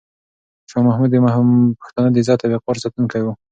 شاه محمود د پښتنو د عزت او وقار ساتونکی و.